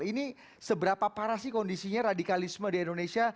ini seberapa parah sih kondisinya radikalisme di indonesia